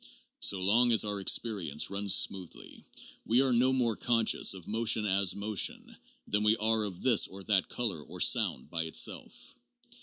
So long as our experience runs smoothly we are no more conscious of motion as motion than we are of this or that color or sound by itself.